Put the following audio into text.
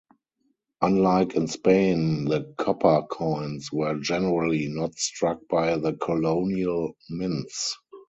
Unlike in Spain, the copper coins were generally not struck by the colonial mints.